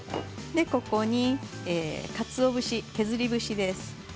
ここにかつお節、削り節です。